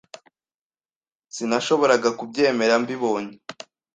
Sinashoboraga kubyemera mbibonye.